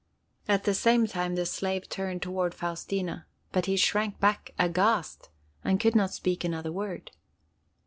At the same time the slave turned toward Faustina, but he shrank back, aghast! and could not speak another word.